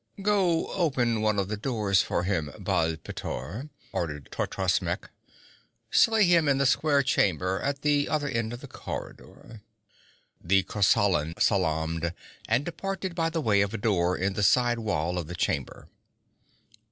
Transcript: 'Go open one of the doors for him, Baal pteor,' ordered Totrasmek. 'Slay him in the square chamber at the other end of the corridor.' The Kosalan salaamed and departed by the way of a door in the side wall of the chamber.